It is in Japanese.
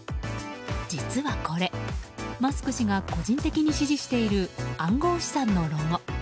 実はこれマスク氏が個人的に支持している暗号資産のロゴ。